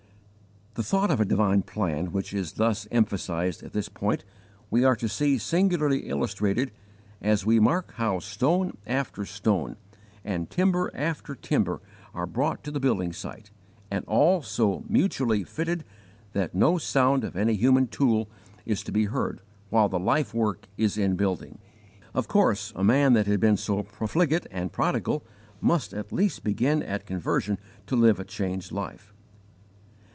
The thought of a divine plan which is thus emphasized at this point we are to see singularly illustrated as we mark how stone after stone and timber after timber are brought to the building site, and all so mutually fitted that no sound of any human tool is to be heard while the life work is in building. Of course a man that had been so profligate and prodigal must at least begin at conversion to live a changed life.